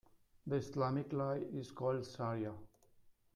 The Islamic law is called shariah.